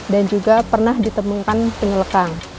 dan juga pernah ditemukan penyu lekang